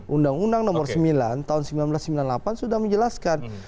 undang undang nomor sembilan tahun seribu sembilan ratus sembilan puluh delapan sudah menjelaskan